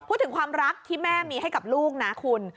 พูดถึงความรักที่แม่มีให้กับลูกนะคุณ